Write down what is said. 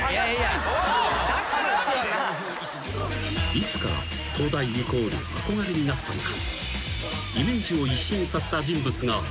［いつから東大イコール憧れになったのか］